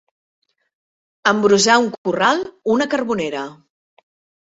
Embrossar un corral, una carbonera.